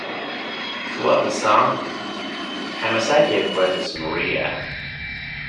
Throughout the song, Hamasaki addresses "Maria".